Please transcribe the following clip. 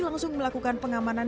langsung melakukan pengamanan